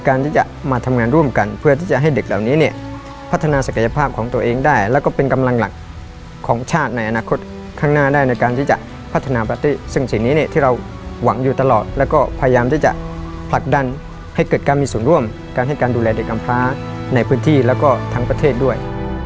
การที่จะมาทำงานร่วมกันเพื่อที่จะให้เด็กเหล่านี้เนี่ยพัฒนาศักยภาพของตัวเองได้แล้วก็เป็นกำลังหลักของชาติในอนาคตข้างหน้าได้ในการที่จะพัฒนาประเทศซึ่งสิ่งนี้เนี่ยที่เราหวังอยู่ตลอดแล้วก็พยายามที่จะผลักดันให้เกิดการมีส่วนร่วมการให้การดูแลเด็กกำพร้าในพื้นที่แล้วก็ทั้งประเทศด้วย